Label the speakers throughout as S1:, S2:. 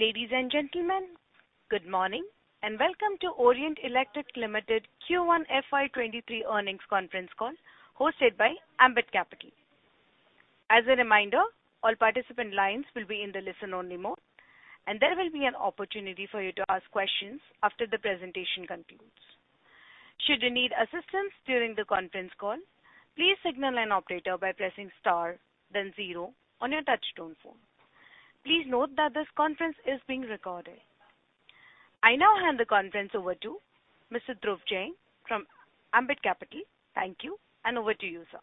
S1: Ladies and gentlemen, good morning, and welcome to Orient Electric Limited Q1 FY23 Earnings Conference Call hosted by Ambit Capital. As a reminder, all participant lines will be in the listen only mode, and there will be an opportunity for you to ask questions after the presentation concludes. Should you need assistance during the conference call, please signal an operator by pressing star then zero on your touchtone phone. Please note that this conference is being recorded. I now hand the conference over to Mr. Dhruv Jain from Ambit Capital. Thank you and over to you, sir.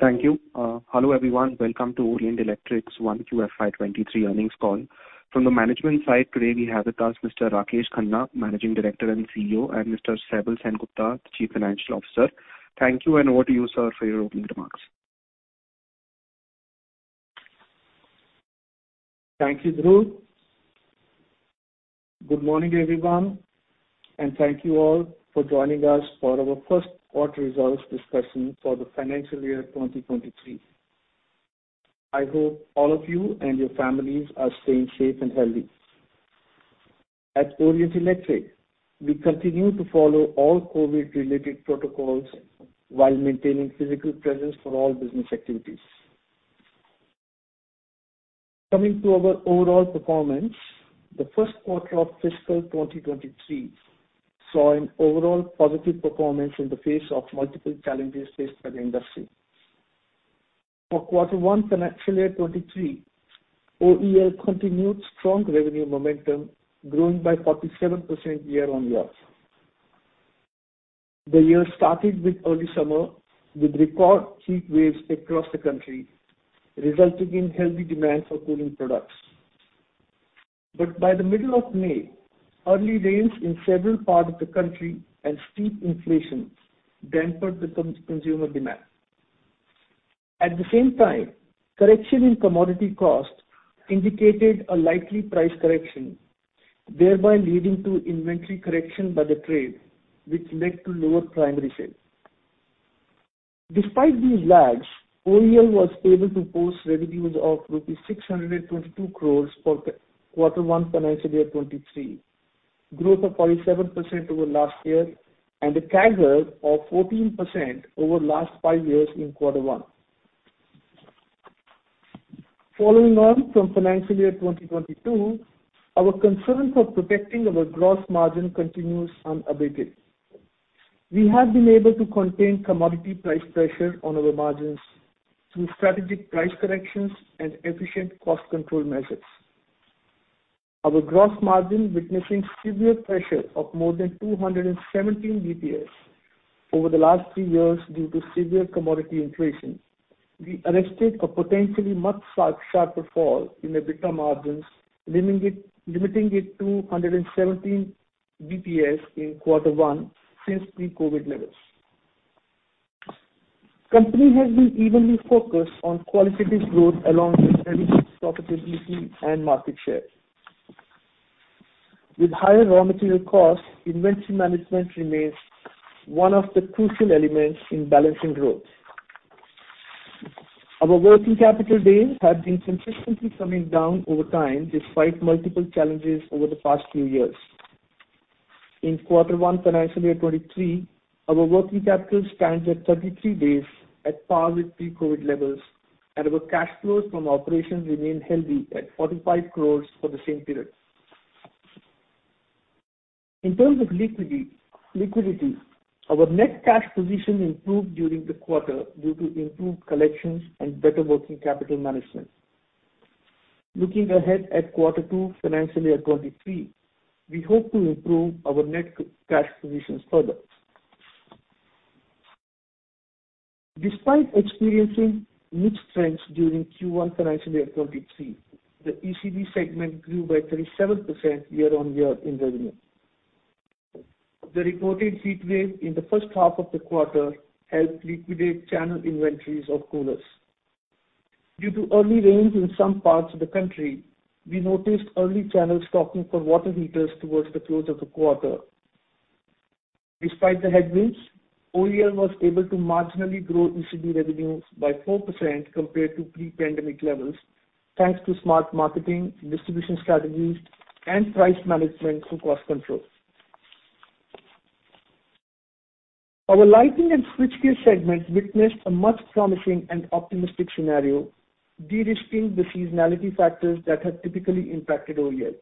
S2: Thank you. Hello, everyone. Welcome to Orient Electric's 1Q FY23 earnings call. From the management side today we have with us Mr. Rakesh Khanna, Managing Director and CEO, and Mr. Saibal Sengupta, Chief Financial Officer. Thank you, and over to you, sir, for your opening remarks.
S3: Thank you, Dhruv. Good morning, everyone, and thank you all for joining us for our first quarter results discussion for the financial year 2023. I hope all of you and your families are staying safe and healthy. At Orient Electric, we continue to follow all COVID-related protocols while maintaining physical presence for all business activities. Coming to our overall performance, the first quarter of fiscal 2023 saw an overall positive performance in the face of multiple challenges faced by the industry. For Q1 financial year 2023, OEL continued strong revenue momentum, growing by 47% year-on-year. The year started with early summer with record heat waves across the country, resulting in healthy demand for cooling products. By the middle of May, early rains in several parts of the country and steep inflation dampened the consumer demand. At the same time, correction in commodity costs indicated a likely price correction, thereby leading to inventory correction by the trade, which led to lower primary sales. Despite these lags, OEL was able to post revenues of rupees 622 crore for Q1 financial year 2023, growth of 47% over last year and a CAGR of 14% over last five years in Q1. Following on from financial year 2022, our concern for protecting our gross margin continues unabated. We have been able to contain commodity price pressure on our margins through strategic price corrections and efficient cost control measures. Our gross margin witnessing severe pressure of more than 217 BPS over the last three years due to severe commodity inflation. We arrested a potentially much sharper fall in EBITDA margins, limiting it to 117 basis points in Q1 since pre-COVID levels. Company has been evenly focused on qualitative growth along with healthy profitability and market share. With higher raw material costs, inventory management remains one of the crucial elements in balancing growth. Our working capital days have been consistently coming down over time despite multiple challenges over the past few years. In Q1 financial year 2023, our working capital stands at 33 days at par with pre-COVID levels, and our cash flows from operations remain healthy at 45 crores for the same period. In terms of liquidity, our net cash position improved during the quarter due to improved collections and better working capital management. Looking ahead at Q2 financial year 2023, we hope to improve our net cash positions further. Despite experiencing mixed trends during Q1 FY 2023, the ECD segment grew by 37% year-on-year in revenue. The reported heat wave in the first half of the quarter helped liquidate channel inventories of coolers. Due to early rains in some parts of the country, we noticed early channel stocking for water heaters towards the close of the quarter. Despite the headwinds, OEL was able to marginally grow ECD revenues by 4% compared to pre-pandemic levels, thanks to smart marketing, distribution strategies and price management through cost control. Our lighting and switchgear segment witnessed a much promising and optimistic scenario, de-risking the seasonality factors that have typically impacted OEL.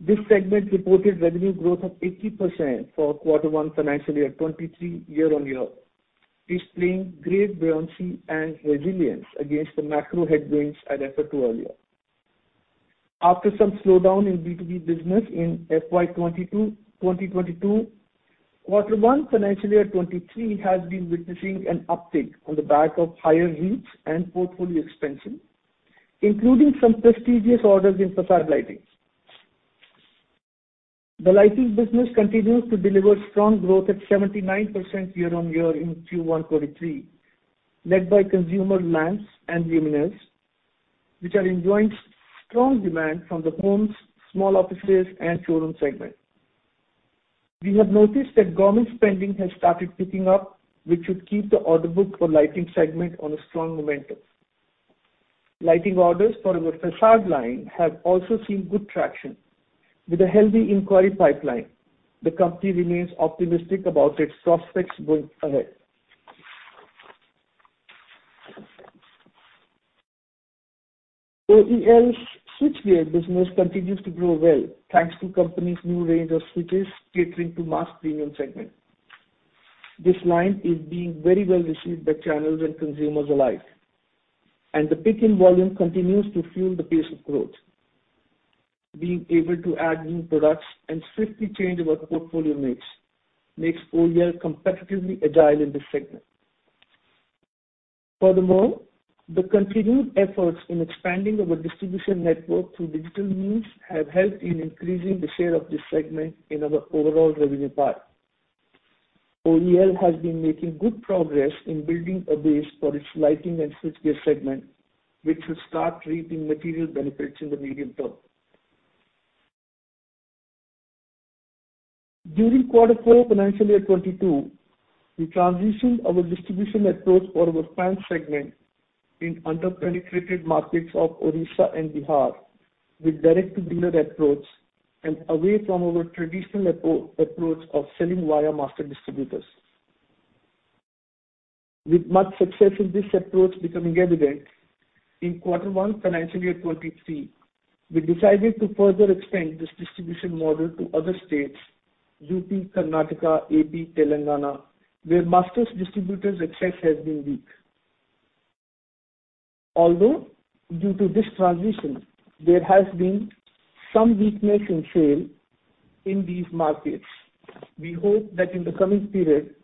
S3: This segment reported revenue growth of 80% for Q1 FY 2023 year-on-year, displaying great buoyancy and resilience against the macro headwinds I referred to earlier. After some slowdown in B2B business in FY 2022, Q1 FY 2023 has been witnessing an uptick on the back of higher rates and portfolio expansion, including some prestigious orders in façade lighting. The lighting business continues to deliver strong growth at 79% year-on-year in Q1 2023, led by consumer lamps and luminaires, which are enjoying strong demand from the homes, small offices and showroom segment. We have noticed that government spending has started picking up, which should keep the order book for lighting segment on a strong momentum. Lighting orders for our façade lighting have also seen good traction. With a healthy inquiry pipeline, the company remains optimistic about its prospects going ahead. OEL's switchgear business continues to grow well, thanks to company's new range of switches catering to mass premium segment. This line is being very well received by channels and consumers alike, and the pick in volume continues to fuel the pace of growth. Being able to add new products and swiftly change our portfolio mix makes OEL competitively agile in this segment. Furthermore, the continued efforts in expanding our distribution network through digital means have helped in increasing the share of this segment in our overall revenue pie. OEL has been making good progress in building a base for its lighting and switchgear segment, which will start reaping material benefits in the medium term. During Q4, financial year 2022, we transitioned our distribution approach for our fans segment in under-penetrated markets of Odisha and Bihar with direct to dealer approach and away from our traditional approach of selling via master distributors. With much success in this approach becoming evident, in Q1 financial year 23, we decided to further extend this distribution model to other states, UP, Karnataka, AP, Telangana, where master distributors' access has been weak. Although due to this transition, there has been some weakness in sales in these markets, we hope that in the coming period,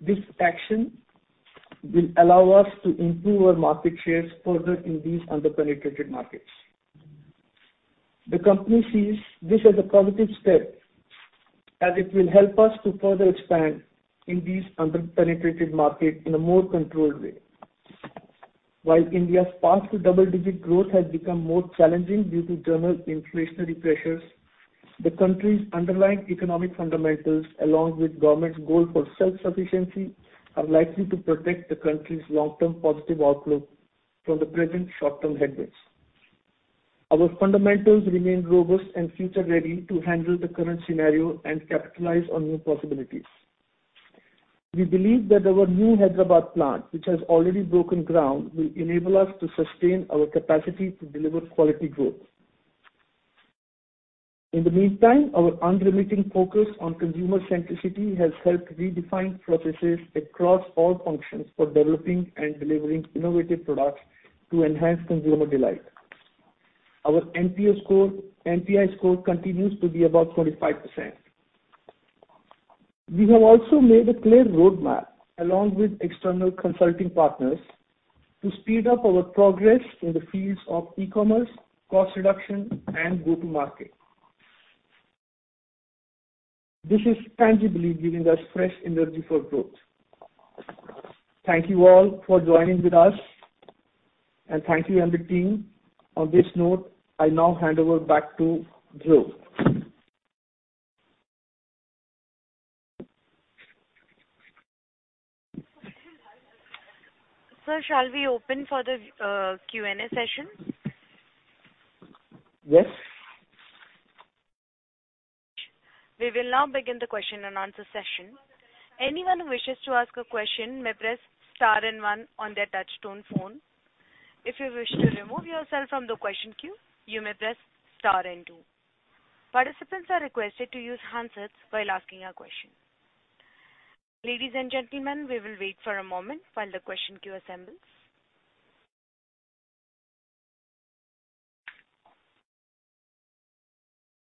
S3: this action will allow us to improve our market shares further in these under-penetrated markets. The company sees this as a positive step, as it will help us to further expand in these under-penetrated markets in a more controlled way. While India's path to double-digit growth has become more challenging due to general inflationary pressures, the country's underlying economic fundamentals, along with government's goal for self-sufficiency, are likely to protect the country's long-term positive outlook from the present short-term headwinds. Our fundamentals remain robust and future-ready to handle the current scenario and capitalize on new possibilities. We believe that our new Hyderabad plant, which has already broken ground, will enable us to sustain our capacity to deliver quality growth. In the meantime, our unremitting focus on consumer centricity has helped redefine processes across all functions for developing and delivering innovative products to enhance consumer delight. Our NPI score continues to be above 45%. We have also made a clear roadmap, along with external consulting partners, to speed up our progress in the fields of e-commerce, cost reduction, and go-to-market. This is tangibly giving us fresh energy for growth. Thank you all for joining with us, and thank you and the team. On this note, I now hand over back to Dhruv.
S2: Sir, shall we open for the Q&A session?
S3: Yes.
S1: We will now begin the question and answer session. Anyone who wishes to ask a question may press star and one on their touchtone phone. If you wish to remove yourself from the question queue, you may press star and two. Participants are requested to use handsets while asking a question. Ladies and gentlemen, we will wait for a moment while the question queue assembles.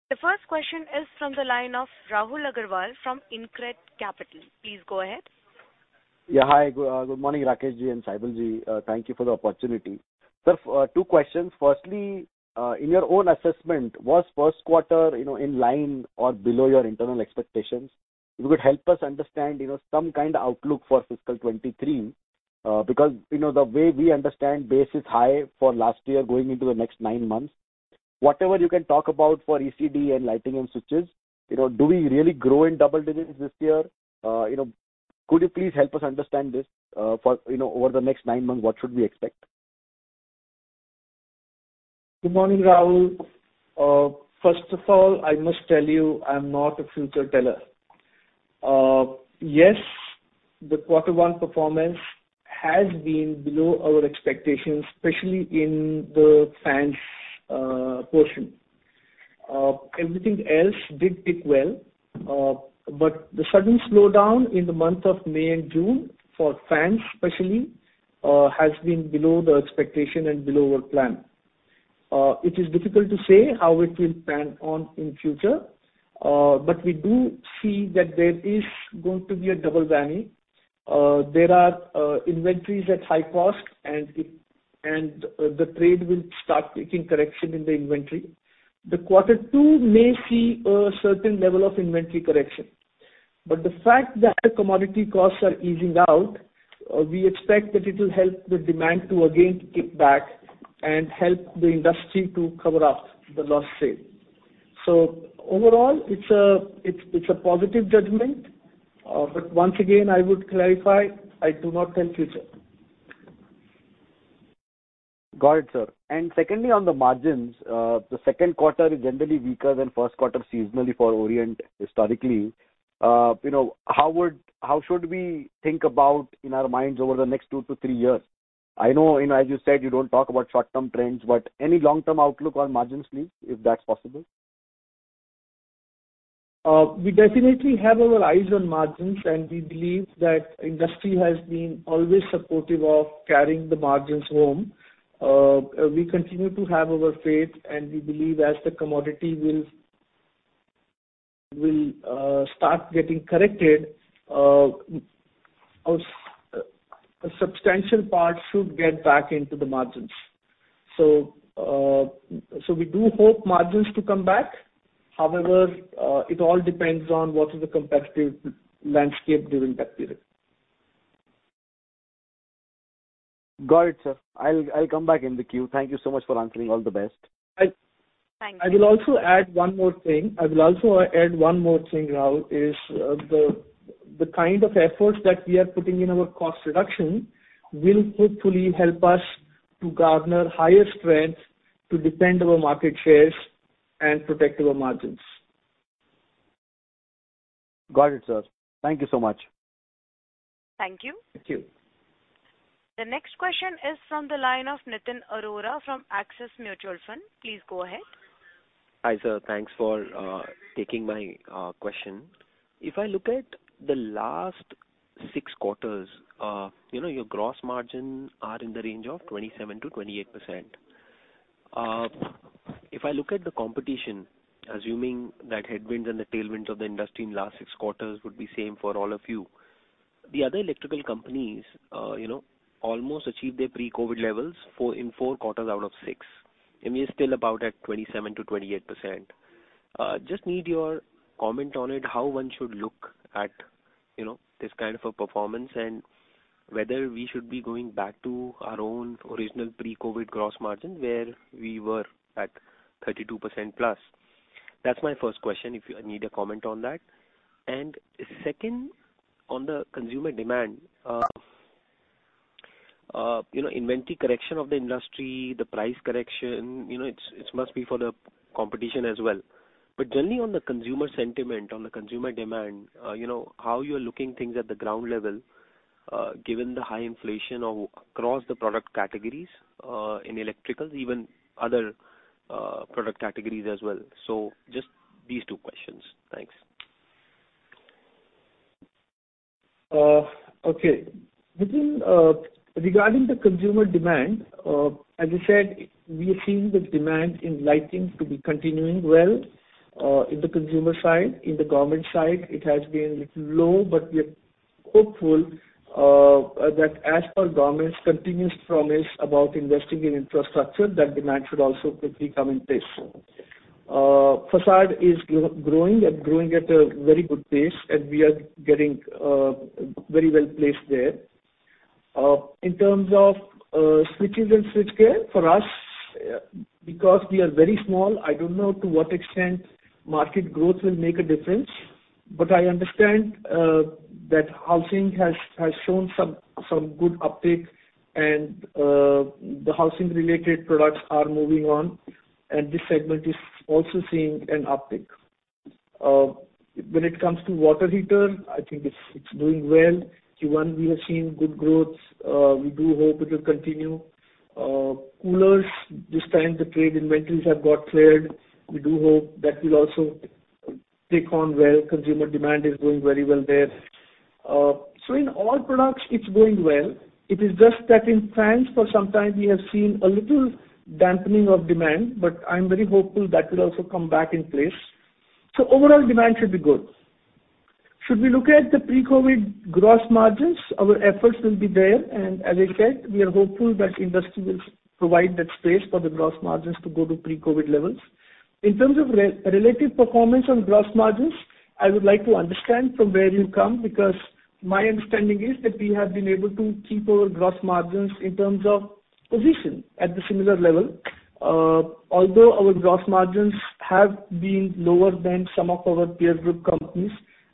S1: The first question is from the line of Rahul Agarwal from InCred Capital. Please go ahead.
S4: Good morning, Rakesh and Saibal. Thank you for the opportunity. Sir, two questions. Firstly, in your own assessment, was first quarter, you know, in line or below your internal expectations? If you could help us understand, you know, some kind of outlook for fiscal 2023, because, you know, the way we understand base is high for last year going into the next nine months. Whatever you can talk about for ECD and lighting and switches, you know, do we really grow in double digits this year? You know, could you please help us understand this, for, you know, over the next nine months, what should we expect?
S3: Good morning, Rahul. First of all, I must tell you, I'm not a fortune teller. Yes, the Q1 performance has been below our expectations, especially in the fans portion. Everything else did pick up well, but the sudden slowdown in the month of May and June, for fans especially, has been below the expectation and below our plan. It is difficult to say how it will pan out in future, but we do see that there is going to be a double whammy. There are inventories at high cost and the trade will start taking correction in the inventory. The Q2 may see a certain level of inventory correction. The fact that commodity costs are easing out, we expect that it will help the demand to again kick back and help the industry to cover up the lost sale. Overall, it's a positive judgment. Once again, I would clarify, I do not tell future.
S4: Got it, sir. Secondly, on the margins, the second quarter is generally weaker than first quarter seasonally for Orient historically. You know, how should we think about in our minds over the next two to three years? I know, you know, as you said, you don't talk about short-term trends, but any long-term outlook on margins, please, if that's possible.
S3: We definitely have our eyes on margins, and we believe that industry has been always supportive of carrying the margins home. We continue to have our faith, and we believe as the commodity will start getting corrected, a substantial part should get back into the margins. We do hope margins to come back. However, it all depends on what is the competitive landscape during that period.
S4: Got it, sir. I'll come back in the queue. Thank you so much for answering. All the best.
S3: I-
S1: Thank you.
S3: I will also add one more thing, Rahul, is the kind of efforts that we are putting in our cost reduction will hopefully help us to garner higher strength to defend our market shares and protect our margins.
S4: Got it, sir. Thank you so much.
S1: Thank you.
S3: Thank you.
S1: The next question is from the line of Nitin Arora from Axis Mutual Fund. Please go ahead.
S5: Hi, sir. Thanks for taking my question. If I look at the last six quarters, you know, your gross margin are in the range of 27%-28%. If I look at the competition, assuming that headwinds and the tailwinds of the industry in last six quarters would be same for all of you. The other electrical companies, you know, almost achieved their pre-COVID levels four, in four quarters out of six, and we are still about at 27%-28%. Just need your comment on it, how one should look at, you know, this kind of a performance and whether we should be going back to our own original pre-COVID gross margin, where we were at 32%+. That's my first question, if you need a comment on that. Second, on the consumer demand, you know, inventory correction of the industry, the price correction, you know, it must be for the competition as well. Generally, on the consumer sentiment, on the consumer demand, you know, how you're looking things at the ground level, given the high inflation across the product categories, in electrical, even other product categories as well. Just these two questions. Thanks.
S3: Regarding the consumer demand, as I said, we are seeing the demand in lighting to be continuing well in the consumer side. In the government side, it has been little low, but we are hopeful that as per government's continuous promise about investing in infrastructure, that demand should also quickly come in place. Fans are growing at a very good pace, and we are getting very well placed there. In terms of switches and switchgear, for us, because we are very small, I don't know to what extent market growth will make a difference, but I understand that housing has shown some good uptick and the housing related products are moving on, and this segment is also seeing an uptick. When it comes to water heater, I think it's doing well. Q1 we have seen good growth. We do hope it will continue. Coolers, this time the trade inventories have got cleared. We do hope that will also take off well. Consumer demand is doing very well there. In all products it's going well. It is just that in fans for some time we have seen a little dampening of demand. I'm very hopeful that will also come back in place. Overall demand should be good. As we look at the pre-COVID gross margins, our efforts will be there, and as I said, we are hopeful that industry will provide that space for the gross margins to go to pre-COVID levels. In terms of relative performance on gross margins, I would like to understand from where you come because my understanding is that we have been able to keep our gross margins in terms of position at the similar level. Although our gross margins have been lower than some of our peer group companies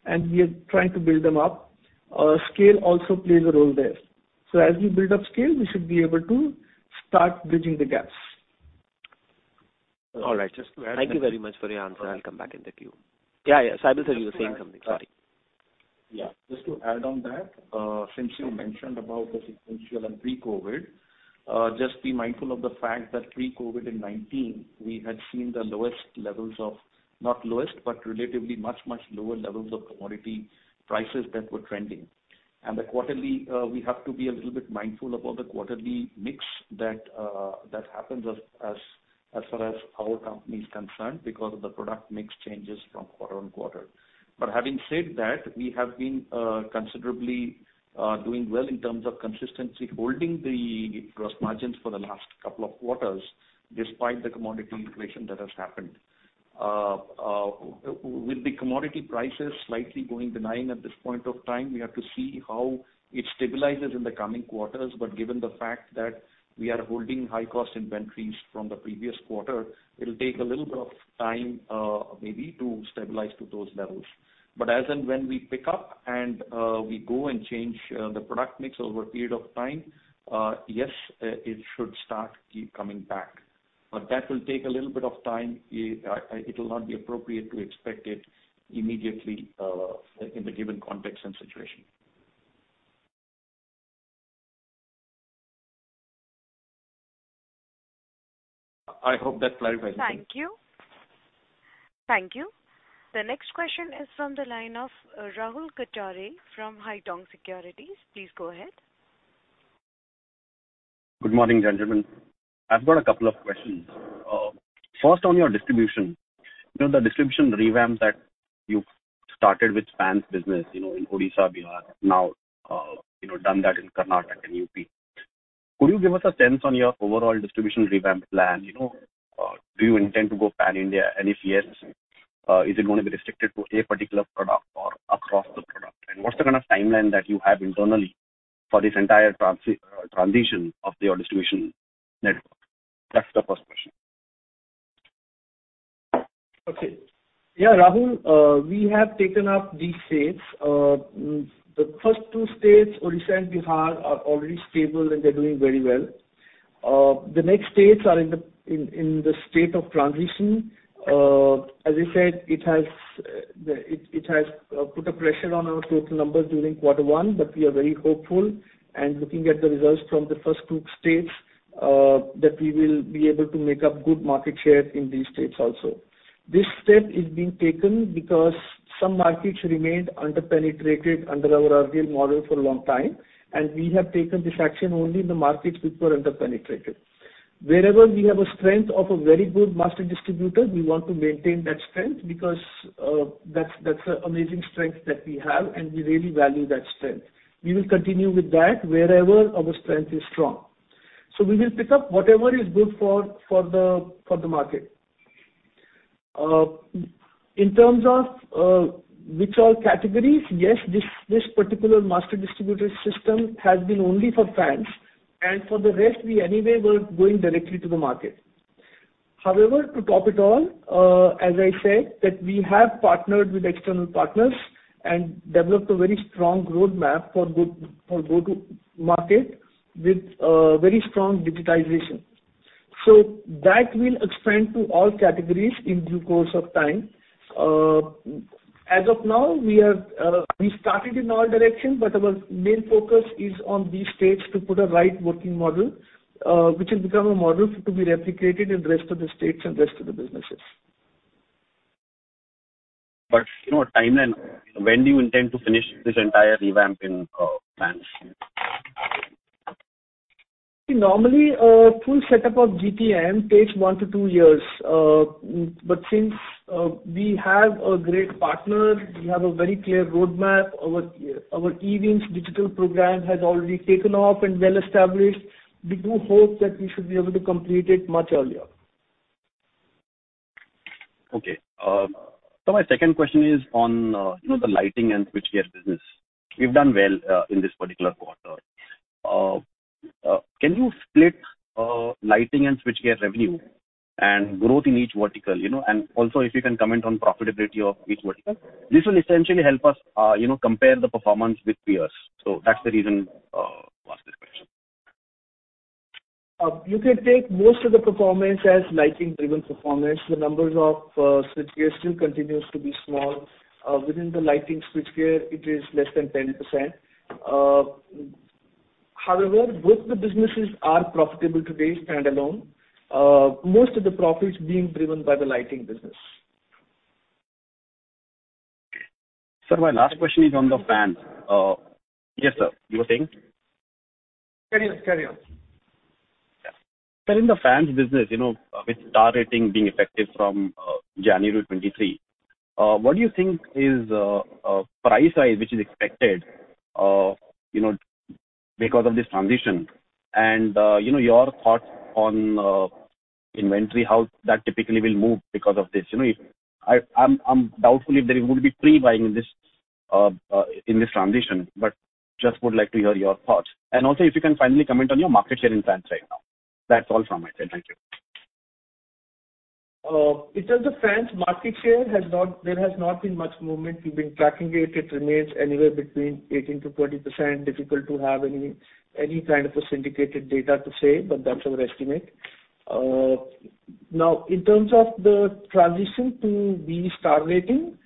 S3: and we are trying to build them up, scale also plays a role there. As we build up scale, we should be able to start bridging the gaps.
S5: All right. Thank you very much for your answer. I'll come back in the queue. Yeah, yeah. Saibal sir, you were saying something. Sorry.
S6: Yeah. Just to add on that, since you mentioned about the sequential and pre-COVID, just be mindful of the fact that pre-COVID in 2019, we had seen the lowest levels of commodity prices that were trending. Not lowest, but relatively much, much lower levels of commodity prices that were trending. The quarterly, we have to be a little bit mindful about the quarterly mix that happens as far as our company is concerned because of the product mix changes from quarter on quarter. Having said that, we have been considerably doing well in terms of consistency, holding the gross margins for the last couple of quarters despite the commodity inflation that has happened. With the commodity prices slightly declining at this point of time, we have to see how it stabilizes in the coming quarters. Given the fact that we are holding high-cost inventories from the previous quarter, it'll take a little bit of time, maybe to stabilize to those levels. As and when we pick up and we go and change the product mix over a period of time, yes, it should start keep coming back. That will take a little bit of time. It will not be appropriate to expect it immediately in the given context and situation. I hope that clarifies anything.
S1: Thank you. The next question is from the line of Rahul Kataria from Haitong Securities. Please go ahead.
S7: Good morning, gentlemen. I've got a couple of questions. First on your distribution. You know, the distribution revamps that you started with fans business, you know, in Odisha, Bihar. Now, you know, done that in Karnataka and UP. Could you give us a sense on your overall distribution revamp plan? You know, do you intend to go pan-India? And if yes, is it gonna be restricted to a particular product or across the product? And what's the kind of timeline that you have internally for this entire transition of your distribution network? That's the first question.
S3: Okay. Yeah, Rahul, we have taken up these states. The first two states, Odisha and Bihar, are already stable, and they're doing very well. The next states are in the state of transition. As I said, it has put a pressure on our total numbers during Q1, but we are very hopeful and looking at the results from the first two states, that we will be able to make up good market share in these states also. This step is being taken because some markets remained under-penetrated under our RGL model for a long time, and we have taken this action only in the markets which were under-penetrated. Wherever we have a strength of a very good master distributor, we want to maintain that strength because that's an amazing strength that we have, and we really value that strength. We will continue with that wherever our strength is strong. We will pick up whatever is good for the market. In terms of which all categories, yes, this particular master distributor system has been only for fans. For the rest, we anyway were going directly to the market. However, to top it all, as I said, that we have partnered with external partners and developed a very strong roadmap for good, for go-to market with very strong digitization. That will expand to all categories in due course of time. As of now, we are, we started in all directions, but our main focus is on these states to put the right working model, which will become a model to be replicated in the rest of the states and rest of the businesses.
S7: You know, timeline, when do you intend to finish this entire revamp in plans?
S3: See, normally, a full setup of GTM takes one to two years. Since we have a great partner, we have a very clear roadmap. Our Evins digital program has already taken off and well established. We do hope that we should be able to complete it much earlier.
S7: Okay. My second question is on, you know, the lighting and switchgear business. You've done well in this particular quarter. Can you split lighting and switchgear revenue and growth in each vertical, you know? And also if you can comment on profitability of each vertical. This will essentially help us, you know, compare the performance with peers. That's the reason to ask this question.
S3: You can take most of the performance as lighting-driven performance. The numbers of switchgear still continues to be small. Within the lighting switchgear it is less than 10%. However, both the businesses are profitable today standalone. Most of the profits being driven by the lighting business.
S7: Sir, my last question is on the fans. Yes, sir, you were saying?
S3: Carry on. Carry on.
S7: Sir, in the fans business, you know, with star rating being effective from January 2023, what do you think is price rise which is expected, you know, because of this transition? Your thoughts on inventory, how that typically will move because of this. You know, I'm doubtful if there would be pre-buying in this transition, but just would like to hear your thoughts. Also if you can finally comment on your market share in fans right now. That's all from my side. Thank you.
S3: In terms of fans market share has not. There has not been much movement. We've been tracking it. It remains anywhere between 18%-20%. Difficult to have any kind of a syndicated data to say, but that's our estimate. Now in terms of the transition to the star rating,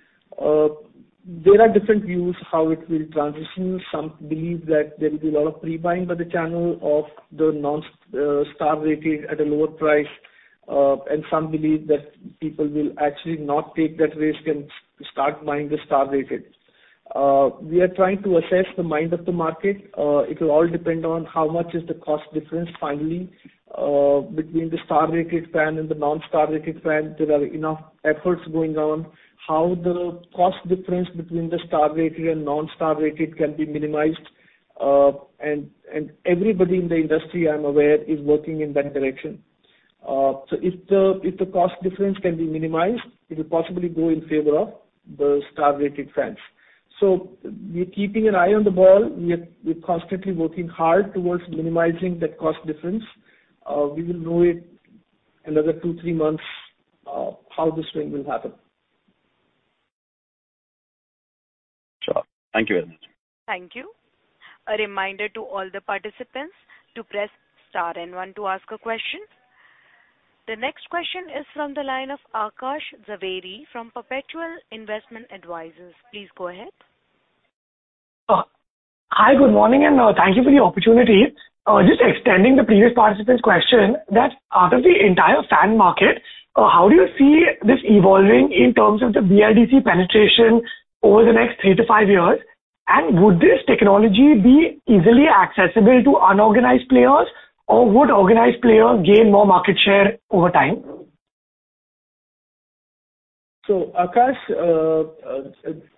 S3: there are different views how it will transition. Some believe that there will be a lot of pre-buying by the channel of the non star rating at a lower price. Some believe that people will actually not take that risk and start buying the star rated. We are trying to assess the mind of the market. It will all depend on how much is the cost difference finally between the star rated fan and the non-star rated fan. There are enough efforts going on how the cost difference between the star-rated and non-star-rated can be minimized. Everybody in the industry, I'm aware, is working in that direction. If the cost difference can be minimized, it will possibly go in favor of the star-rated fans. We're keeping an eye on the ball. We're constantly working hard towards minimizing that cost difference. We will know in another two, three months how the swing will happen.
S7: Sure. Thank you very much.
S1: Thank you. A reminder to all the participants to press star and one to ask a question. The next question is from the line of Aakash Javeri from Perpetual Investment Advisors. Please go ahead.
S8: Hi, good morning, and thank you for the opportunity. Just extending the previous participant's question, that out of the entire fan market, how do you see this evolving in terms of the BLDC penetration over the next two to five years? And would this technology be easily accessible to unorganized players or would organized players gain more market share over time?
S3: Aakash,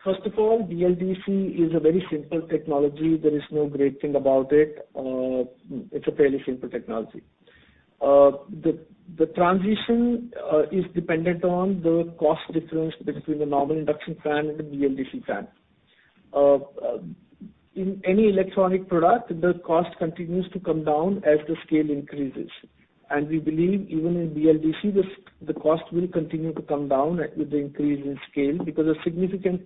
S3: first of all, BLDC is a very simple technology. There is no great thing about it. It's a fairly simple technology. The transition is dependent on the cost difference between the normal induction fan and the BLDC fan. In any electronic product, the cost continues to come down as the scale increases. We believe even in BLDC, the cost will continue to come down as with the increase in scale because a significant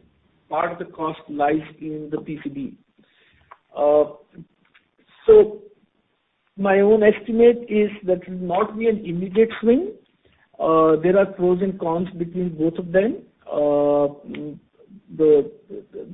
S3: part of the cost lies in the PCB. My own estimate is that it will not be an immediate swing. There are pros and cons between both of them. The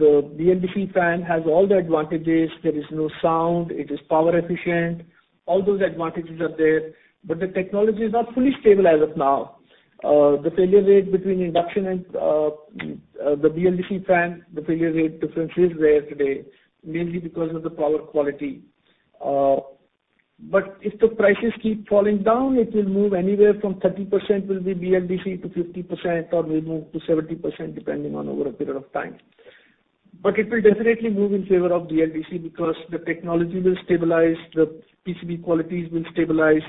S3: BLDC fan has all the advantages. There is no sound, it is power efficient. All those advantages are there, but the technology is not fully stable as of now. The failure rate between induction and the BLDC fan, the failure rate difference is there today, mainly because of the power quality. If the prices keep falling down, it will move anywhere from 30% will be BLDC to 50% or will move to 70% depending on over a period of time. It will definitely move in favor of BLDC because the technology will stabilize, the PCB qualities will stabilize.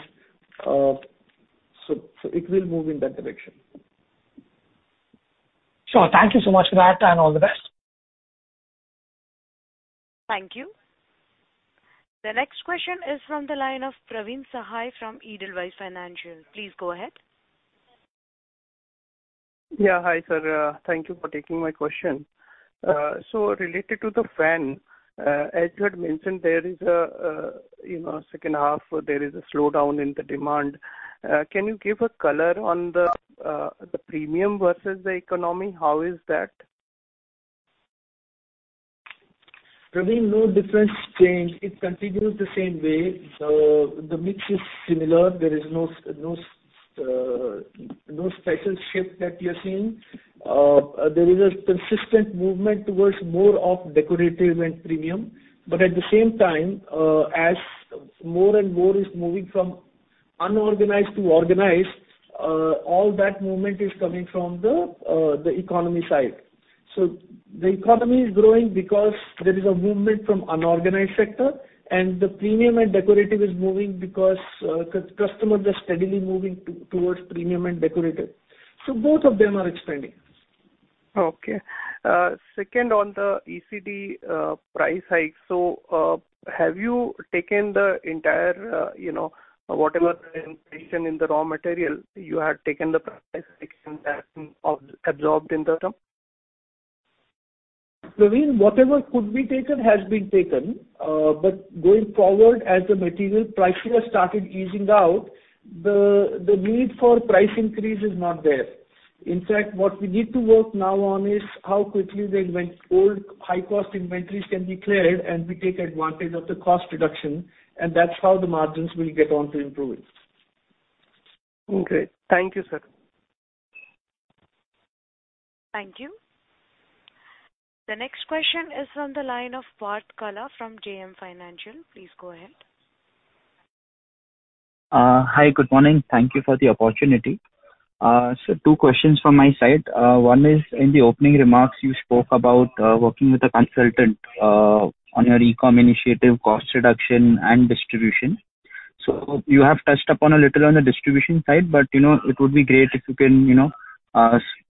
S3: It will move in that direction.
S8: Sure. Thank you so much for that and all the best.
S1: Thank you. The next question is from the line of Praveen Sahay from Edelweiss Financial. Please go ahead.
S9: Hi, sir. Thank you for taking my question. Related to the fan, as you had mentioned, there is a slowdown in the demand. Can you give a color on the premium versus the economy? How is that?
S3: Praveen, no difference change. It continues the same way. The mix is similar. There is no special shift that we are seeing. There is a consistent movement towards more of decorative and premium. At the same time, as more and more is moving from unorganized to organized, all that movement is coming from the economy side. The economy is growing because there is a movement from unorganized sector and the premium and decorative is moving because customers are steadily moving towards premium and decorative. Both of them are expanding.
S9: Okay. Second, on the ECD price hike. Have you taken the entire, you know, whatever the inflation in the raw material you had taken the price action that absorbed in the term?
S3: Praveen, whatever could be taken has been taken. Going forward as the material prices have started easing out, the need for price increase is not there. In fact, what we need to work now on is how quickly the old high cost inventories can be cleared and we take advantage of the cost reduction, and that's how the margins will get on to improving.
S9: Okay. Thank you, sir.
S1: Thank you. The next question is from the line of Paarth Gala from JM Financial. Please go ahead.
S10: Hi, good morning. Thank you for the opportunity. Two questions from my side. One is in the opening remarks you spoke about, working with a consultant, on your e-com initiative, cost reduction and distribution. You have touched upon a little on the distribution side, but, you know, it would be great if you can, you know,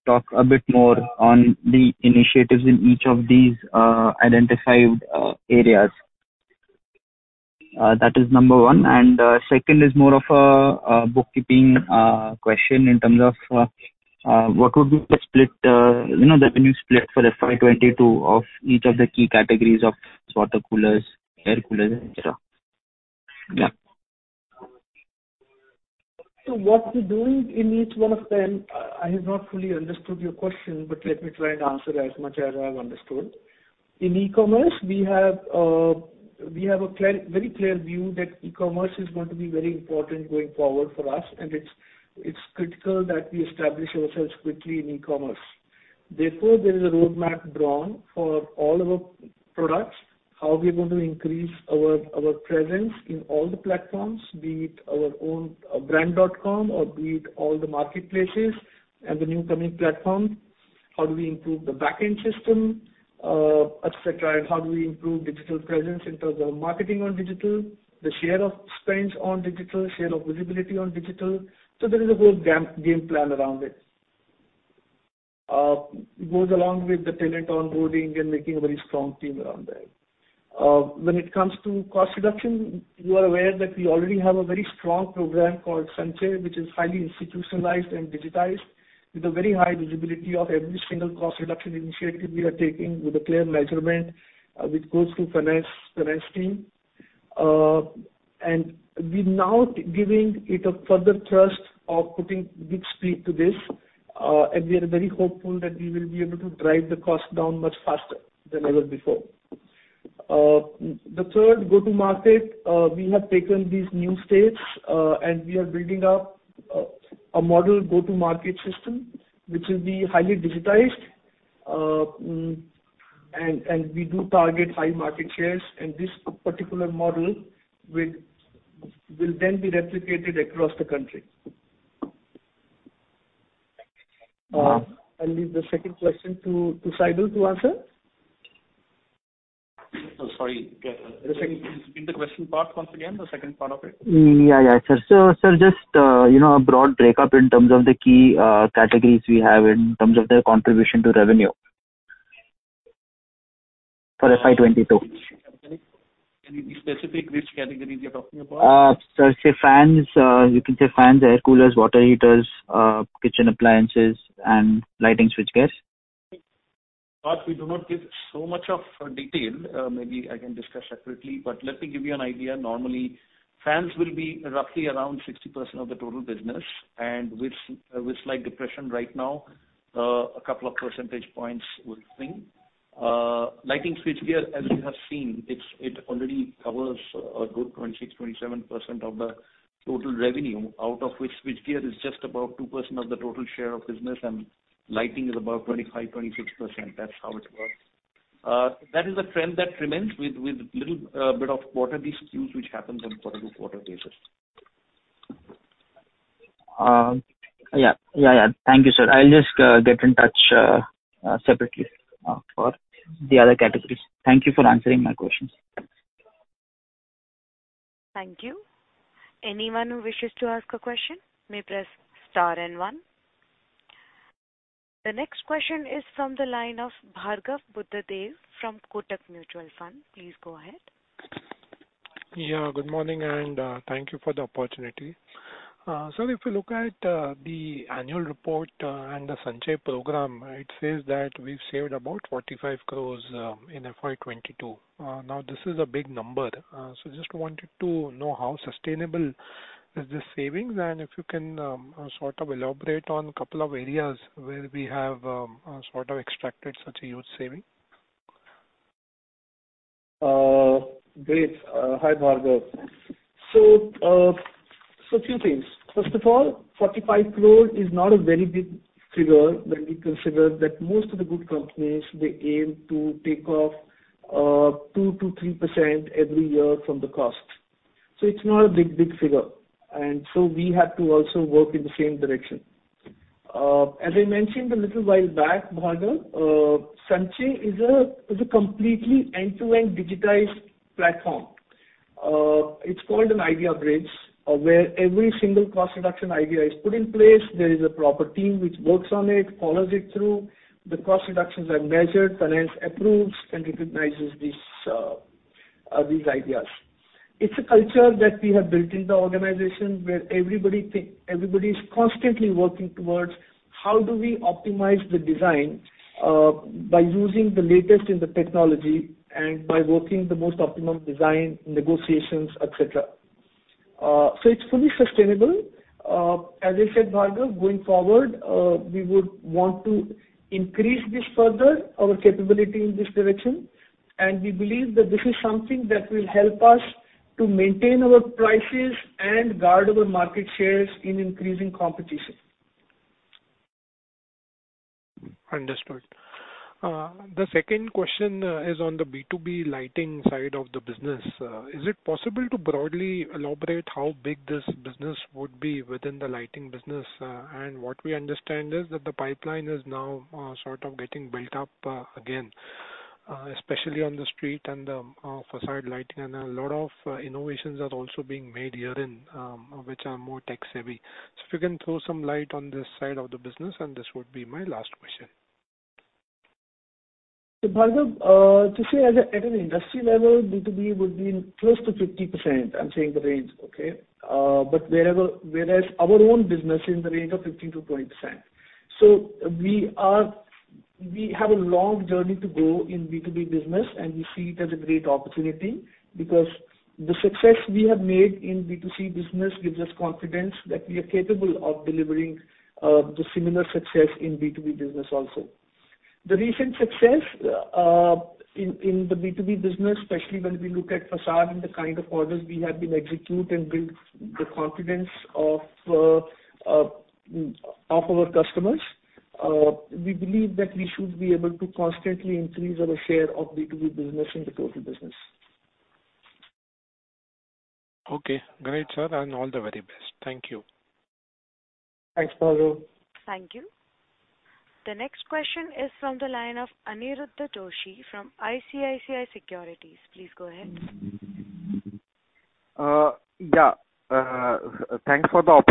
S10: talk a bit more on the initiatives in each of these, identified, areas. That is number one. Second is more of a bookkeeping question in terms of, what would be the split, you know, the revenue split for the FY 2022 of each of the key categories of water coolers, air coolers, etc.? Yeah.
S3: What we're doing in each one of them, I have not fully understood your question, but let me try and answer as much as I've understood. In e-commerce, we have a clear, very clear view that e-commerce is going to be very important going forward for us, and it's critical that we establish ourselves quickly in e-commerce. Therefore, there is a roadmap drawn for all of our products, how we're going to increase our presence in all the platforms, be it our own brand dot com or be it all the marketplaces and the new coming platforms. How do we improve the back-end system, et cetera, and how do we improve digital presence in terms of marketing on digital, the share of spends on digital, share of visibility on digital. There is a whole game plan around it. It goes along with the talent onboarding and making a very strong team around that. When it comes to cost reduction, you are aware that we already have a very strong program called Sanchay, which is highly institutionalized and digitized, with a very high visibility of every single cost reduction initiative we are taking with a clear measurement, which goes to finance team. We're now giving it a further thrust of putting big speed to this, and we are very hopeful that we will be able to drive the cost down much faster than ever before. The third go-to-market, we have taken these new states, and we are building up a model go-to-market system, which will be highly digitized. We do target high market shares, and this particular model will then be replicated across the country.
S10: Thank you, sir.
S3: I'll leave the second question to Saibal to answer.
S6: Oh, sorry. Can you repeat the question part once again, the second part of it?
S10: Yeah, yeah, sure. Sir, just, you know, a broad breakup in terms of the key categories we have in terms of their contribution to revenue. For FY 2022.
S6: Any specific, which categories you're talking about?
S10: Sir, you can say fans, air coolers, water heaters, kitchen appliances and lighting switchgears.
S6: We do not give so much of detail. Maybe I can discuss separately, but let me give you an idea. Normally, fans will be roughly around 60% of the total business and with slight depression right now, a couple of percentage points would swing. Lighting switchgear, as you have seen, it already covers a good 26%-27% of the total revenue, out of which switchgear is just about 2% of the total share of business and lighting is about 25%-26%. That's how it works. That is a trend that remains with little bit of quarterly skews which happens on quarter-to-quarter basis.
S10: Yeah. Thank you, sir. I'll just get in touch separately for the other categories. Thank you for answering my questions.
S1: Thank you. Anyone who wishes to ask a question may press star and one. The next question is from the line of Bhargav Buddhadev from Kotak Mutual Fund. Please go ahead.
S11: Yeah, good morning, and thank you for the opportunity. Sir, if you look at the annual report and the Sanchay program, it says that we've saved about 45 crore in FY 2022. Now this is a big number. Just wanted to know how sustainable is this savings and if you can sort of elaborate on a couple of areas where we have sort of extracted such a huge saving.
S3: Great. Hi, Bhargav. A few things. First of all, 45 crore is not a very big figure when we consider that most of the good companies, they aim to take off, 2%-3% every year from the costs. It's not a big figure. We have to also work in the same direction. As I mentioned a little while back, Bhargav, Sanchay is a completely end-to-end digitized platform. It's called an IdeaBridge, where every single cost reduction idea is put in place. There is a proper team which works on it, follows it through. The cost reductions are measured, finance approves and recognizes these ideas. It's a culture that we have built in the organization where everybody is constantly working towards how do we optimize the design, by using the latest in the technology and by working the most optimum design, negotiations, et cetera. It's fully sustainable. As I said, Bhargav, going forward, we would want to increase this further, our capability in this direction, and we believe that this is something that will help us to maintain our prices and guard our market shares in increasing competition.
S11: Understood. The second question is on the B2B lighting side of the business. Is it possible to broadly elaborate how big this business would be within the lighting business? What we understand is that the pipeline is now sort of getting built up again, especially on the street and façade lighting and a lot of innovations are also being made herein, which are more tech-savvy. If you can throw some light on this side of the business, and this would be my last question.
S3: Bhargav, to say at an industry level, B2B would be close to 50%. I'm saying the range, okay? Whereas our own business is in the range of 15%-20%. We have a long journey to go in B2B business, and we see it as a great opportunity because the success we have made in B2C business gives us confidence that we are capable of delivering, the similar success in B2B business also. The recent success, in the B2B business, especially when we look at façade and the kind of orders we have been executed and built the confidence of our customers, we believe that we should be able to constantly increase our share of B2B business in the total business.
S11: Okay, great, sir, and all the very best. Thank you.
S3: Thanks, Bhargav.
S1: Thank you. The next question is from the line of Anirudh Doshi from ICICI Securities. Please go ahead.
S12: Yeah. Thanks for the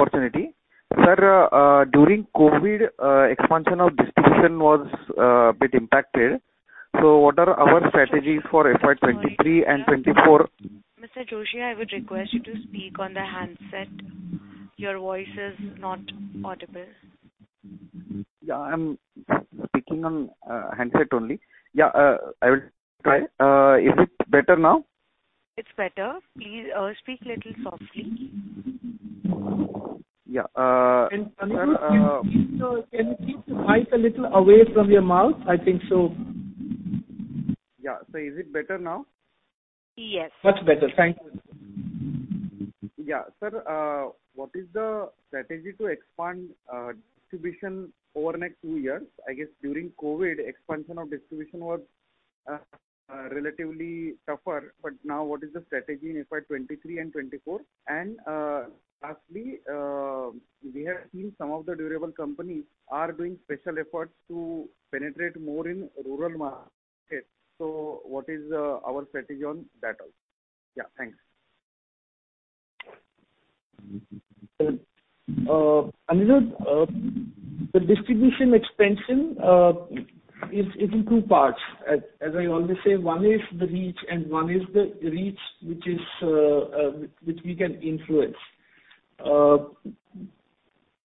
S12: opportunity. Sir, during COVID, expansion of distribution was bit impacted. What are our strategies for FY 2023 and FY 2024?
S1: Mr. Doshi, I would request you to speak on the handset. Your voice is not audible.
S12: Yeah, I'm speaking on handset only. Yeah, I will try. Is it better now?
S1: It's better. Please, speak little softly.
S12: Yeah.
S3: Anirudh, can you keep the mic a little away from your mouth? I think so.
S12: Yeah. Is it better now?
S1: Yes.
S3: Much better. Thank you.
S12: Yeah. Sir, what is the strategy to expand distribution over next two years? I guess during COVID expansion of distribution was relatively tougher, but now what is the strategy in FY 2023 and FY 2024? Lastly, we have seen some of the durable companies are doing special efforts to penetrate more in rural markets. What is our strategy on that also? Yeah, thanks.
S3: Anirudh, the distribution expansion is in two parts. As I always say, one is the reach, and one is the reach which we can influence.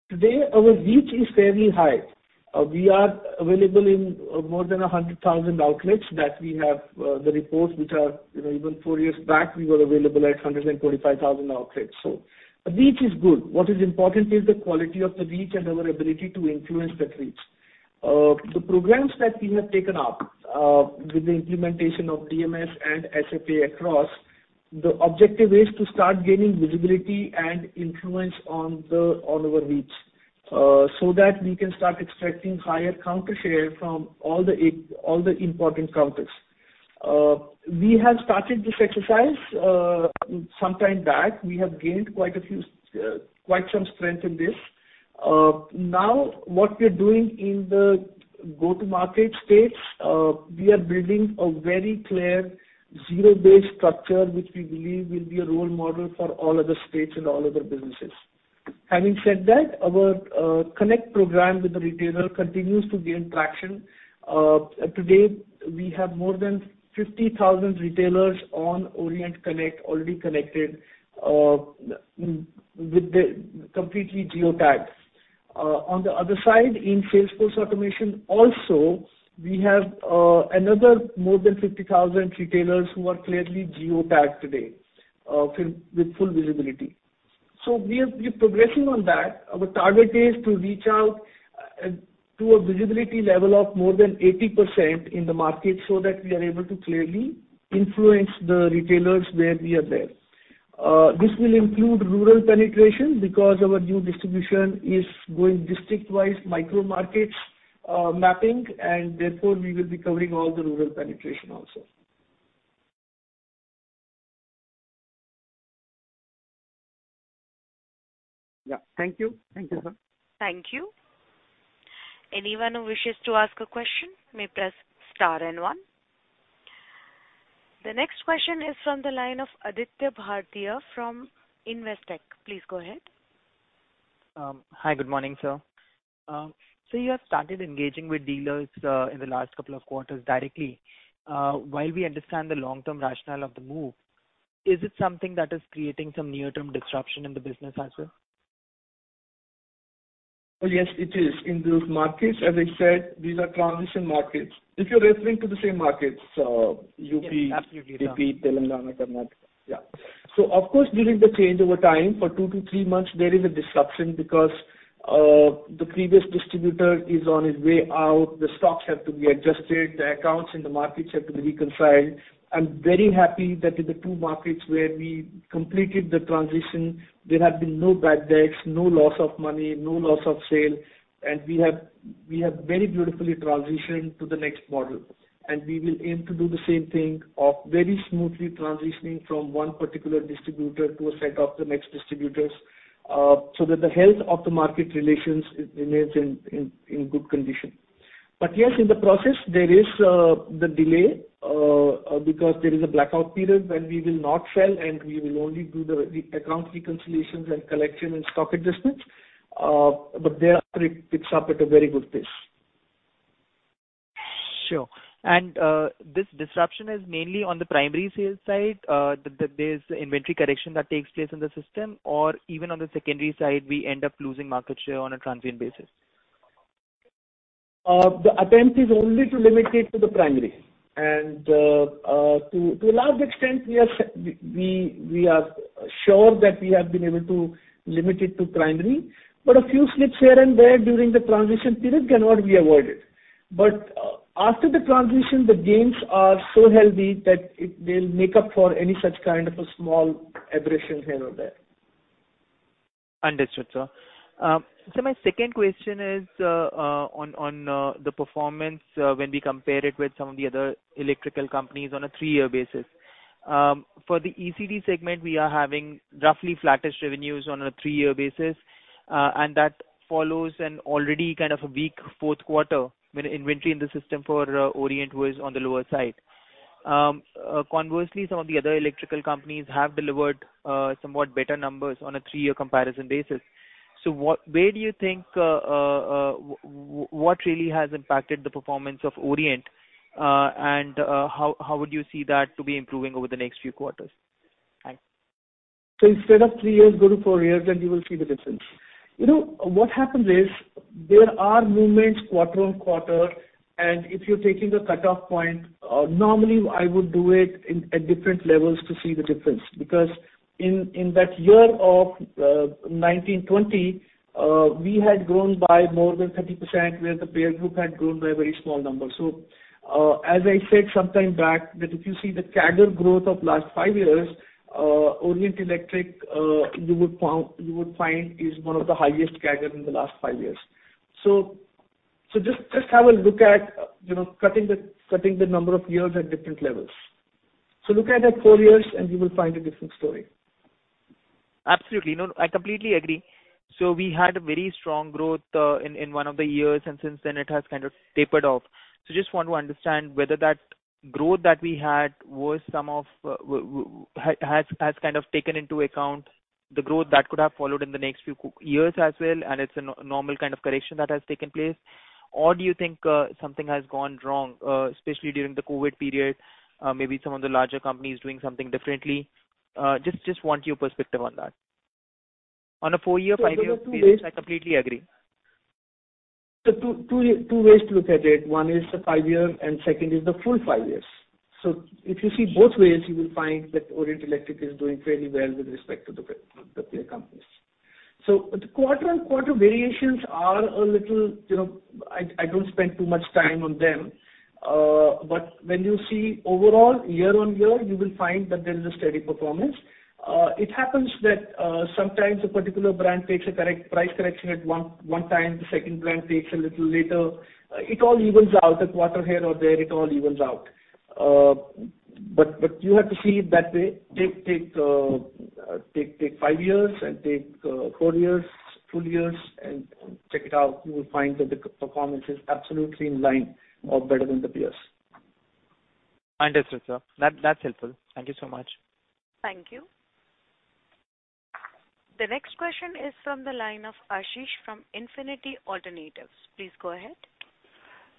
S3: Today our reach is fairly high. We are available in more than 100,000 outlets that we have the reports which are, you know, even four years back we were available at 145,000 outlets. The reach is good. What is important is the quality of the reach and our ability to influence that reach. The programs that we have taken up with the implementation of DMS and SAP across, the objective is to start gaining visibility and influence on our reach, that we can start extracting higher counter share from all the all the important counters. We have started this exercise sometime back. We have gained quite a few quite some strength in this. Now what we're doing in the go-to-market states, we are building a very clear zero-based structure which we believe will be a role model for all other states and all other businesses. Having said that, our Connect program with the retailer continues to gain traction. Today we have more than 50,000 retailers on Orient Connect already connected with the completely geotagged. On the other side, in sales force automation also we have another more than 50,000 retailers who are clearly geotagged today with full visibility. We're progressing on that. Our target is to reach out to a visibility level of more than 80% in the market so that we are able to clearly influence the retailers where we are there. This will include rural penetration because our new distribution is going district-wise micro markets mapping, and therefore we will be covering all the rural penetration also.
S12: Yeah. Thank you. Thank you, sir.
S1: Thank you. Anyone who wishes to ask a question may press star and one. The next question is from the line of Aditya Bhartia from Investec. Please go ahead.
S13: Hi. Good morning, sir. You have started engaging with dealers in the last couple of quarters directly. While we understand the long-term rationale of the move, is it something that is creating some near-term disruption in the business as well?
S3: Oh, yes, it is. In those markets, as I said, these are transition markets. If you're referring to the same markets.
S13: Yes, absolutely. AP, Telangana, Karnataka.
S3: Yeah. Of course, during the changeover time for two to three months, there is a disruption because the previous distributor is on his way out, the stocks have to be adjusted, the accounts in the markets have to be reconciled. I'm very happy that in the two markets where we completed the transition, there have been no bad debts, no loss of money, no loss of sale, and we have very beautifully transitioned to the next model. We will aim to do the same thing of very smoothly transitioning from one particular distributor to a set of the next distributors, so that the health of the market relations remains in good condition. Yes, in the process there is the delay, because there is a blackout period when we will not sell and we will only do the account reconciliations and collection and stock adjustments. Thereafter it picks up at a very good pace.
S13: Sure. This disruption is mainly on the primary sales side. There's inventory correction that takes place in the system or even on the secondary side we end up losing market share on a transient basis?
S3: The attempt is only to limit it to the primary. To a large extent we are sure that we have been able to limit it to primary, but a few slips here and there during the transition period cannot be avoided. After the transition, the gains are so healthy that they'll make up for any such kind of a small aberration here or there.
S13: Understood, sir. My second question is on the performance when we compare it with some of the other electrical companies on a three-year basis. For the ECD segment, we are having roughly flattest revenues on a three-year basis, and that follows an already kind of a weak fourth quarter when inventory in the system for Orient was on the lower side. Conversely, some of the other electrical companies have delivered somewhat better numbers on a three-year comparison basis. Where do you think what really has impacted the performance of Orient, and how would you see that to be improving over the next few quarters? Thanks.
S3: Instead of three years, go to four years, and you will see the difference. You know, what happens is there are movements quarter-over-quarter, and if you're taking the cutoff point, normally I would do it in at different levels to see the difference. Because in that year of 1920, we had grown by more than 30%, where the peer group had grown by a very small number. As I said sometime back that if you see the CAGR growth of last five years, Orient Electric you would find is one of the highest CAGR in the last 5 years. Just have a look at, you know, cutting the number of years at different levels. Look at it four years, and you will find a different story.
S13: Absolutely. No, I completely agree. We had a very strong growth in one of the years, and since then it has kind of tapered off. Just want to understand whether that growth that we had has kind of taken into account the growth that could have followed in the next few quarters as well, and it's a normal kind of correction that has taken place. Or do you think something has gone wrong, especially during the COVID period? Maybe some of the larger companies doing something differently. Just want your perspective on that. On a four-year, five-year basis, I completely agree.
S3: Two ways to look at it. One is the year-year and second is the full five years. If you see both ways, you will find that Orient Electric is doing fairly well with respect to the peer companies. The quarter-on-quarter variations are a little, you know, I don't spend too much time on them. When you see overall year-on-year, you will find that there is a steady performance. It happens that sometimes a particular brand takes a correct price correction at one time, the second brand takes a little later. It all evens out. A quarter here or there, it all evens out. You have to see it that way. Take five years and take four years, three years, and check it out. You will find that the performance is absolutely in line or better than the peers.
S13: Understood, sir. That's helpful. Thank you so much.
S1: Thank you. The next question is from the line of Ashish from Infinity Alternatives. Please go ahead.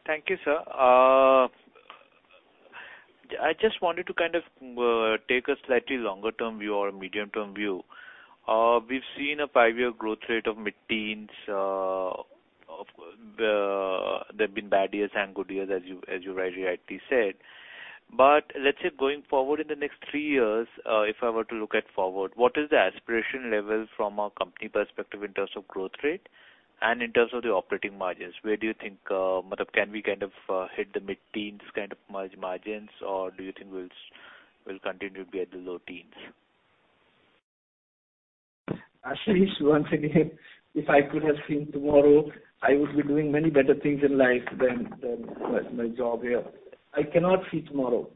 S14: Thank you, sir. I just wanted to kind of take a slightly longer term view or a medium-term view. We've seen a five-year growth rate of mid-teens. There have been bad years and good years, as you rightly said. Let's say going forward in the next three years, if I were to look forward, what is the aspiration level from a company perspective in terms of growth rate and in terms of the operating margins? Where do you think can we kind of hit the mid-teens kind of margins, or do you think we'll continue to be at the low teens?
S3: Ashish, once again, if I could have seen tomorrow, I would be doing many better things in life than my job here. I cannot see tomorrow.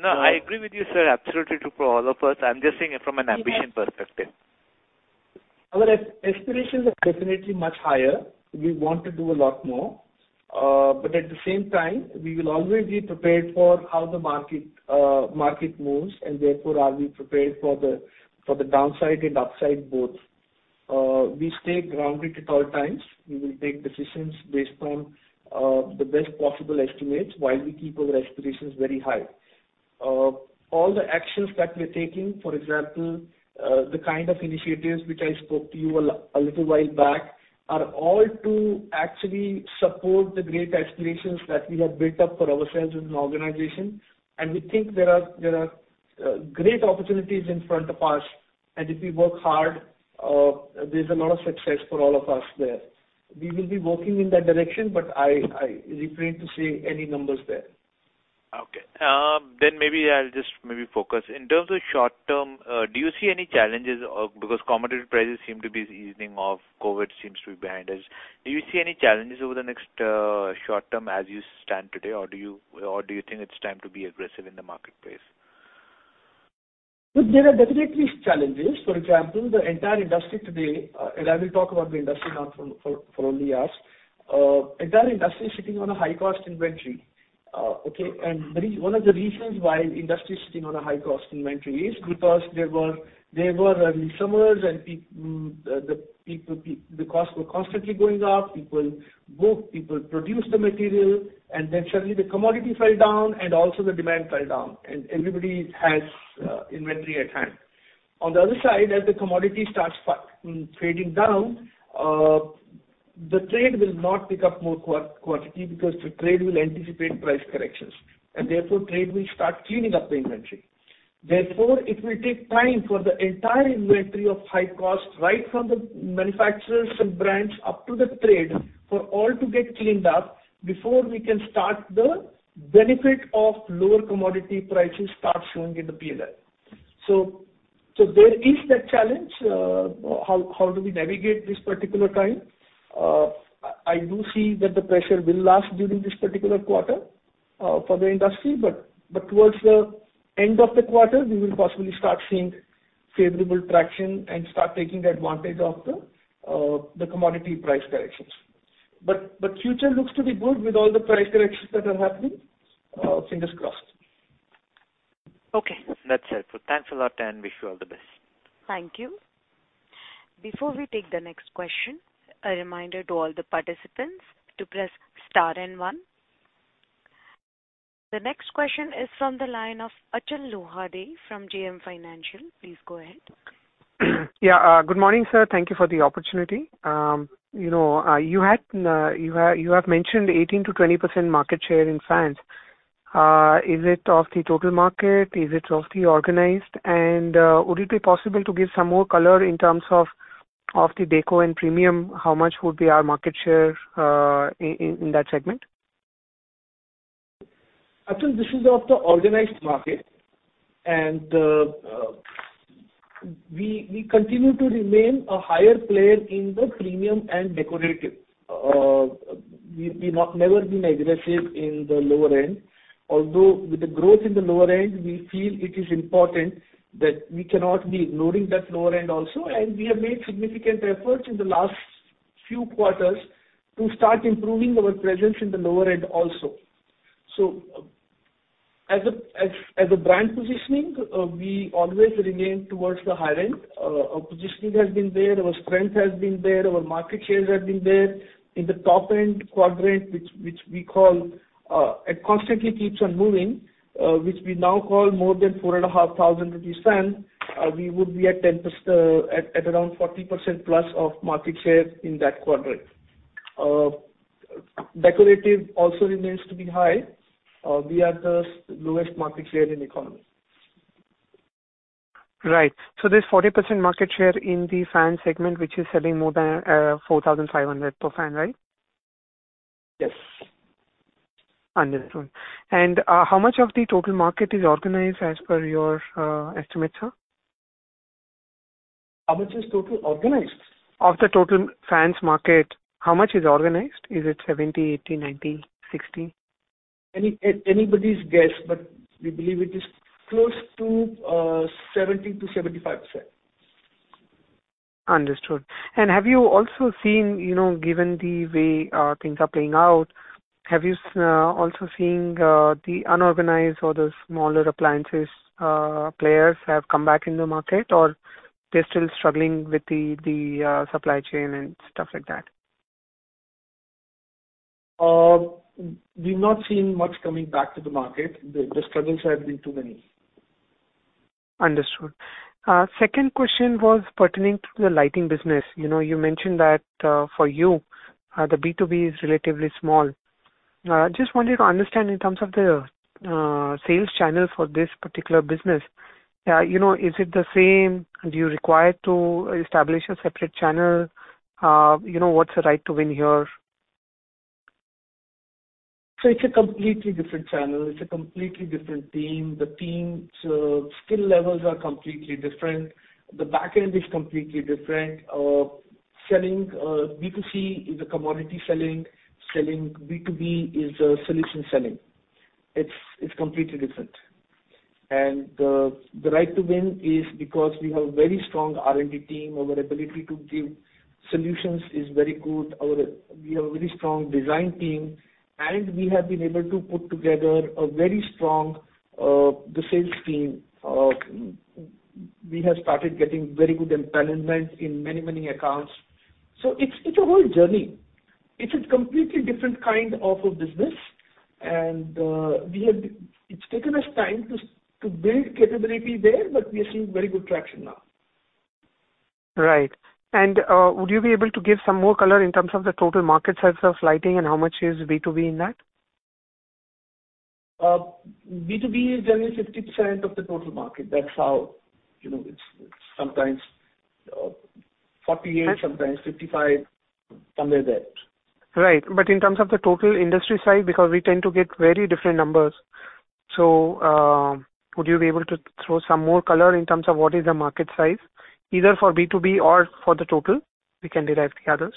S14: No, I agree with you, sir. Absolutely true for all of us. I'm just saying it from an Ambit perspective.
S3: Our aspirations are definitely much higher. We want to do a lot more. But at the same time, we will always be prepared for how the market moves, and therefore are we prepared for the downside and upside both. We stay grounded at all times. We will take decisions based on the best possible estimates while we keep our aspirations very high. All the actions that we're taking, for example, the kind of initiatives which I spoke to you a little while back, are all to actually support the great aspirations that we have built up for ourselves as an organization. We think there are great opportunities in front of us, and if we work hard, there's a lot of success for all of us there. We will be working in that direction, but I refrain to say any numbers there.
S14: Okay. Maybe I'll just focus. In terms of short term, do you see any challenges? Because commodity prices seem to be easing off, COVID seems to be behind us. Do you see any challenges over the next short term as you stand today, or do you think it's time to be aggressive in the marketplace?
S3: Look, there are definitely challenges. For example, the entire industry today, and I will talk about the industry not for only us. Entire industry is sitting on a high-cost inventory. Okay? One of the reasons why industry is sitting on a high-cost inventory is because the costs were constantly going up. People booked, people produced the material, and then suddenly the commodity fell down, and also the demand fell down. Everybody has inventory at hand. On the other side, as the commodity starts trading down, the trade will not pick up more quantity because the trade will anticipate price corrections, and therefore trade will start cleaning up the inventory. Therefore, it will take time for the entire inventory of high cost, right from the manufacturers and brands up to the trade, for all to get cleaned up before we can start to benefit from lower commodity prices starting to show in the P&L. There is that challenge, how do we navigate this particular time? I do see that the pressure will last during this particular quarter for the industry, but towards the end of the quarter, we will possibly start seeing favorable traction and start taking the advantage of the commodity price corrections. Future looks to be good with all the price corrections that are happening, fingers crossed.
S14: Okay. That's it. Thanks a lot and wish you all the best.
S1: Thank you. Before we take the next question, a reminder to all the participants to press star and one. The next question is from the line of Achal Lohade from JM Financial. Please go ahead.
S15: Yeah, good morning, sir. Thank you for the opportunity. You know, you have mentioned 18%-20% market share in fans. Is it of the total market? Is it of the organized? Would it be possible to give some more color in terms of the deco and premium? How much would be our market share in that segment?
S3: Achal, this is of the organized market. We continue to remain a higher player in the premium and decorative. We've not never been aggressive in the lower end. Although with the growth in the lower end, we feel it is important that we cannot be ignoring that lower end also. We have made significant efforts in the last few quarters to start improving our presence in the lower end also. As a brand positioning, we always remain towards the higher end. Our positioning has been there, our strength has been there, our market shares have been there. In the top end quadrant, which we call, it constantly keeps on moving, which we now call more than 4,500 rupees fan, we would be at around 40% plus of market share in that quadrant. Decorative also remains to be high. We are the lowest market share in economy.
S15: Right. This 40% market share in the fan segment, which is selling more than 4,500 per fan, right?
S3: Yes.
S15: Understood. How much of the total market is organized as per your estimates, sir?
S3: How much is total organized?
S15: Of the total fans market, how much is organized? Is it 70%, 80%, 90%, 60%?
S3: Anybody's guess, but we believe it is close to 70%-75%.
S15: Understood. Have you also seen, you know, given the way things are playing out, the unorganized or the smaller appliances players have come back in the market or they're still struggling with the supply chain and stuff like that?
S3: We've not seen much coming back to the market. The struggles have been too many.
S15: Understood. Second question was pertaining to the lighting business. You know, you mentioned that, for you, the B2B is relatively small. Just wanted to understand in terms of the sales channel for this particular business, you know, is it the same? Do you require to establish a separate channel? You know, what's the right to win here?
S3: It's a completely different channel. It's a completely different team. The team's skill levels are completely different. The back end is completely different. Selling B2C is a commodity selling. Selling B2B is a solution selling. It's completely different. The right to win is because we have a very strong R&D team. Our ability to give solutions is very good. We have a very strong design team, and we have been able to put together a very strong the sales team. We have started getting very good empowerment in many accounts. It's a whole journey. It's a completely different kind of a business. It's taken us time to build capability there, but we are seeing very good traction now.
S15: Right. Would you be able to give some more color in terms of the total market size of lighting and how much is B2B in that?
S3: B2B is generally 50% of the total market. That's how, you know, it's sometimes 48%.
S15: Right.
S3: Sometimes 55%, somewhere there.
S15: Right. In terms of the total industry size, because we tend to get very different numbers. Would you be able to throw some more color in terms of what is the market size? Either for B2B or for the total, we can derive the others.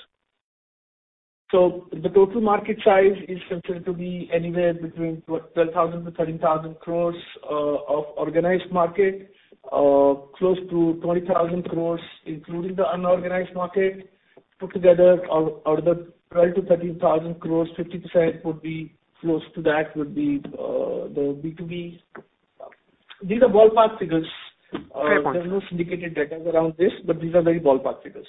S3: The total market size is considered to be anywhere between what, 12,000 crores-13,000 crores of organized market. Close to 20,000 crores, including the unorganized market. Out of the 12,000 crores-13,000 crores, 50% would be close to that, the B2B. These are ballpark figures.
S15: Fair point.
S3: There are no syndicated data around this, but these are very ballpark figures.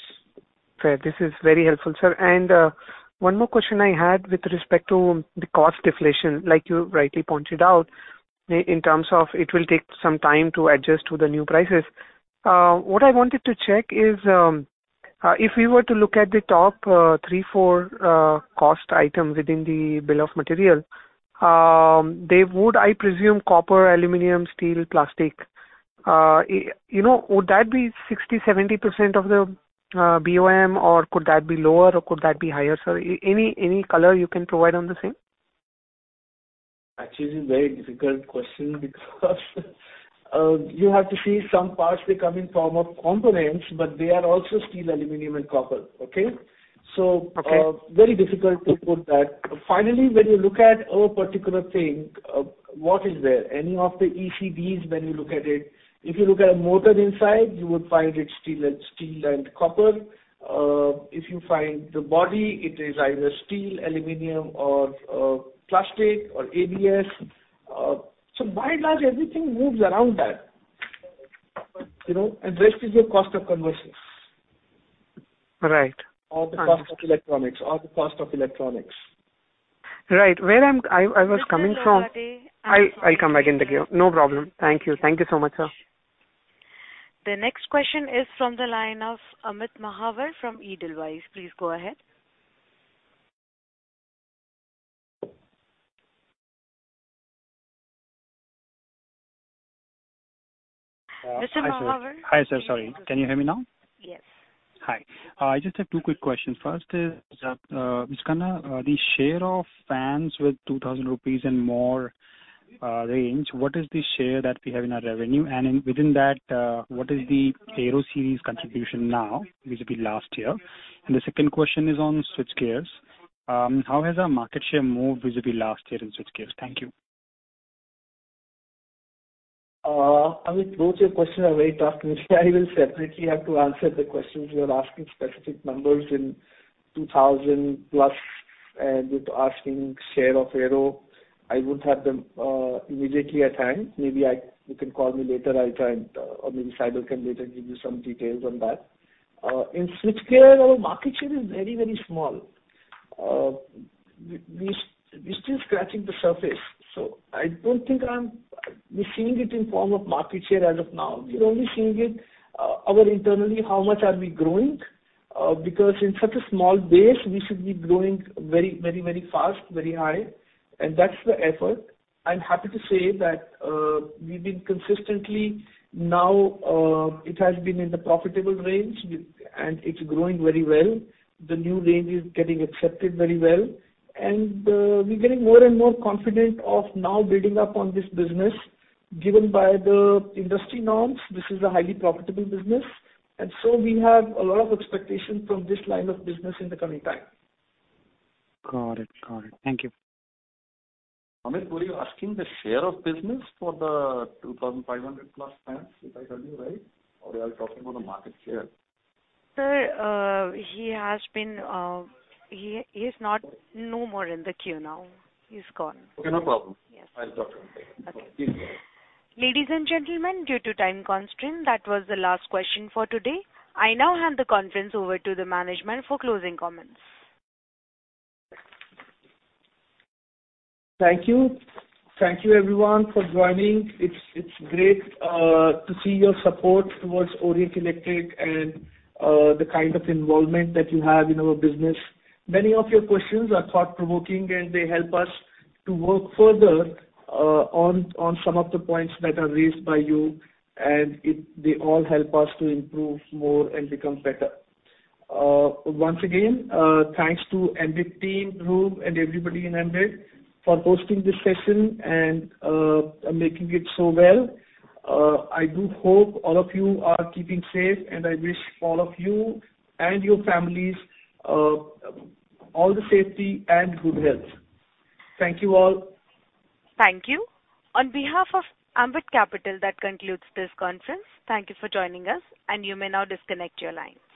S15: Fair. This is very helpful, sir. One more question I had with respect to the cost deflation, like you rightly pointed out, in terms of it will take some time to adjust to the new prices. What I wanted to check is, if we were to look at the top three to four cost items within the bill of material, they would, I presume, copper, aluminum, steel, plastic. You know, would that be 60%-70% of the BOM, or could that be lower or could that be higher, sir? Any color you can provide on the same?
S3: Actually, it's a very difficult question because you have to see some parts they come in form of components, but they are also steel, aluminum and copper. Okay?
S15: Okay.
S3: Very difficult to put that. Finally, when you look at our particular thing, what is there? Any of the ECDs when you look at it, if you look at a motor inside, you would find it steel and copper. If you find the body, it is either steel, aluminum or plastic or ABS. So by and large, everything moves around that, you know, and rest is your cost of conversions.
S15: Right.
S3: The cost of electronics.
S15: Right. I was coming from.
S1: Mr. Lohade.
S15: I'll come back in the queue. No problem. Thank you. Thank you so much, sir.
S1: The next question is from the line of Amit Mahawar from Edelweiss. Please go ahead. Mr. Mahawar.
S16: Hi, sir. Sorry. Can you hear me now?
S1: Yes.
S16: Hi. I just have two quick questions. First is, Viswanath, the share of fans with 2,000 rupees and more range, what is the share that we have in our revenue? Within that, what is the AeroCool's contribution now vis-a-vis last year? The second question is on switchgears. How has our market share moved vis-a-vis last year in switchgears? Thank you.
S3: Amit, both your questions are very tough and I will separately have to answer the questions. You are asking specific numbers in 2,000+ and what's the share of AeroCool. I would have them immediately at hand. Maybe you can call me later, I'll try and or maybe Saibal can later give you some details on that. In switchgear, our market share is very, very small. We're still scratching the surface, so I don't think. We're seeing it in form of market share as of now. We're only seeing it internally, how much are we growing, because in such a small base, we should be growing very, very, very fast, very high, and that's the effort. I'm happy to say that, we've been consistently now, it has been in the profitable range. It's growing very well. The new range is getting accepted very well. We're getting more and more confident of now building up on this business. Given the industry norms, this is a highly profitable business, and so we have a lot of expectation from this line of business in the coming time.
S16: Got it. Thank you.
S6: Amit, were you asking the share of business for the 2,500 plus fans, if I heard you right? Or you are talking about the market share?
S1: Sir, he has been, he's not no more in the queue now. He's gone.
S6: Okay, no problem.
S1: Yes.
S6: I'll talk to him later.
S1: Okay.
S6: Please carry on.
S1: Ladies and gentlemen, due to time constraint, that was the last question for today. I now hand the conference over to the management for closing comments.
S3: Thank you. Thank you everyone for joining. It's great to see your support towards Orient Electric and the kind of involvement that you have in our business. Many of your questions are thought-provoking, and they help us to work further on some of the points that are raised by you, and they all help us to improve more and become better. Once again, thanks to Ambit team, Dhruv, and everybody in Ambit for hosting this session and making it so well. I do hope all of you are keeping safe, and I wish all of you and your families all the safety and good health. Thank you all.
S1: Thank you. On behalf of Ambit Capital, that concludes this conference. Thank you for joining us, and you may now disconnect your line.